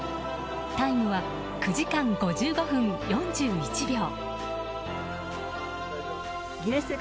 タイムは９時間５５分４１秒。